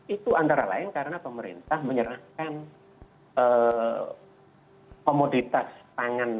itu antara lain karena pemerintah menyerahkan komoditas pangan